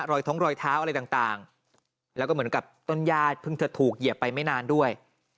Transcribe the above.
ท้องรอยเท้าอะไรต่างแล้วก็เหมือนกับต้นญาติเพิ่งจะถูกเหยียบไปไม่นานด้วย